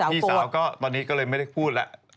พี่สาวก็ตอนนี้ก็เลยไม่ได้พูดแล้ว